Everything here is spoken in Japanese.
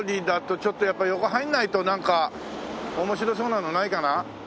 ちょっとやっぱり横入らないとなんか面白そうなのないかな？